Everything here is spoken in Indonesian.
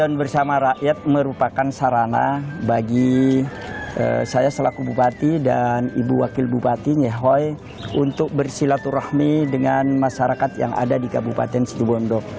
tujuan bersama rakyat merupakan sarana bagi saya selaku bupati dan ibu wakil bupati nyehoi untuk bersilaturahmi dengan masyarakat yang ada di kabupaten situbondo